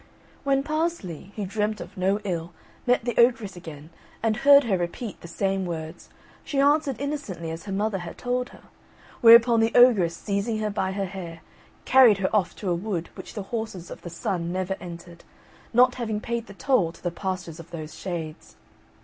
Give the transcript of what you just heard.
'" When Parsley, who dreamt of no ill, met the ogress again, and heard her repeat the same words, she answered innocently as her mother had told her, whereupon the ogress, seizing her by her hair, carried her off to a wood which the horses of the Sun never entered, not having paid the toll to the pastures of those Shades.